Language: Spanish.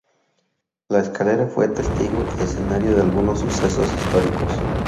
La escalera fue testigo y escenario de algunos sucesos históricos.